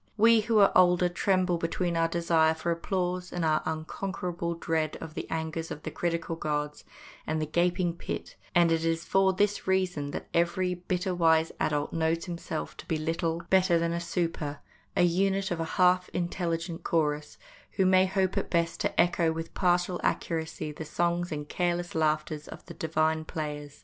We who are older tremble between our desire for applause and our unconquerable dread of the angers of the critical gods and the gaping pit, and it is for this reason that every bitter wise adult knows himself to be little STAGE CHILDREN 91 better than a super, a unit of a half intelli gent chorus, who may hope at best to echo with partial accuracy the songs and careless laughters of the divine players.